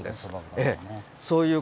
そう！